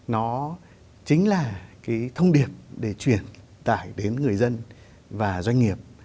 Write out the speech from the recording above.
nó chính là cái thông điệp để truyền tải đến người dân và doanh nghiệp